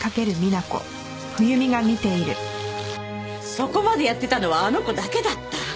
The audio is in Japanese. そこまでやってたのはあの子だけだった。